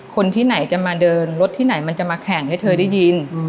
คนที่ไหนจะมาเดินรถที่ไหนมันจะมาแข่งให้เธอได้ยิน